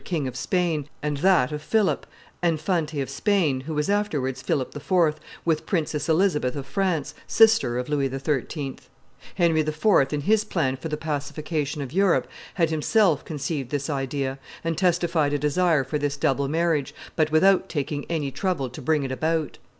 King of Spain, and that of Philip, Infante of Spain, who was afterwards Philip IV., with Princess Elizabeth of France, sister of Louis XIII. Henry IV., in his plan for the pacification of Europe, had himself conceived this idea, and testified a desire for this double marriage, but without taking any trouble to bring it about.